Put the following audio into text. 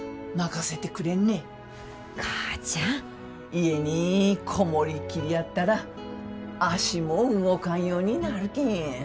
家に籠もりきりやったら足も動かんようになるけん。